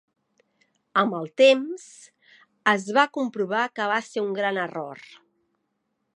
Amb el temps, es va comprovar que va ser un gran error.